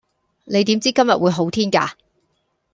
你點知今日會好天㗎